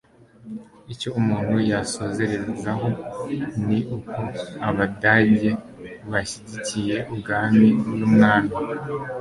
icyo umuntu yasozerezaho ni uko abadage bashyigikiye ubwami n'umwami